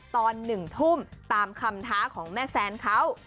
ตอน๑ทุ่มตามคำท้าของแม่แซนเขา